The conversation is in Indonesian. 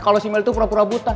kalau si mel itu pura pura buta